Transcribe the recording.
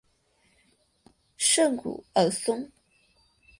圣古尔松。